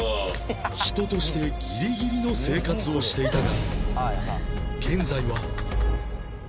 人としてギリギリの生活をしていたが